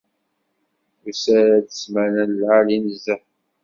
Tusa-d d ssmana n lεali nezzeh.